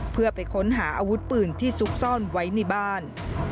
เพื่อไปค้นหาอาวุธปืนที่ซุกซ่อนไว้ในบ้าน